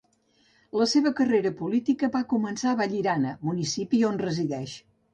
La seva carrera política va començar a Vallirana, municipi on resideix.